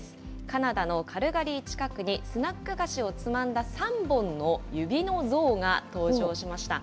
カナダのカルガリー近くにスナック菓子をつまんだ３本の指の像が登場しました。